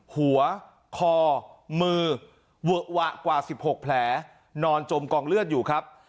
หัวคอมือเวอะวะกว่า๑๖แผลนอนจมกองเลือดอยู่ครับ